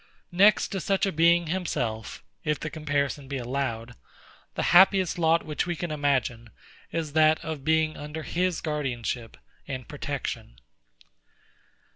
Next to such a Being himself (if the comparison be allowed), the happiest lot which we can imagine, is that of being under his guardianship and protection.